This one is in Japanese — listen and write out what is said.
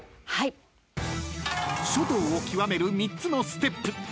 ［書道を極める３つのステップ］